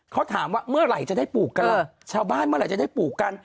เขาถามว่าเมื่อไหร่จะได้ปลูกกันล่ะชาวบ้านเมื่อไหร่จะได้ปลูกกัน